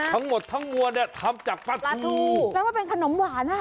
ทั้งหมดทั้งมวลเนี่ยทำจากปลาทูแปลว่าเป็นขนมหวานอ่ะ